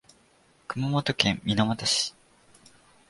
熊本県水俣市